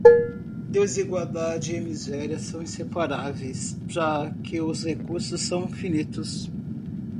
Desigualdade e miséria são inseparáveis, já que os recursos são finitos